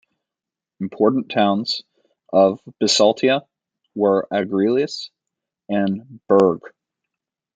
Important towns of Bisaltia were Argilus and Berge.